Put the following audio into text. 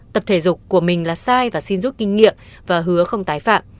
tập thể dục của mình là sai và xin rút kinh nghiệm và hứa không tái phạm